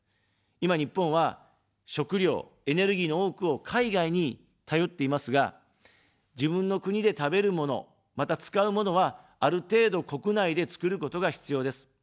今、日本は、食料、エネルギーの多くを海外に頼っていますが、自分の国で食べるもの、また、使うものは、ある程度、国内で作ることが必要です。